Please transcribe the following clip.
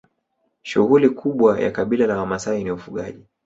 shughuli kubwa ya kabila la wamasai ni ufugaji